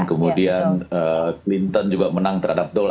kemudian clinton juga menang terhadap dole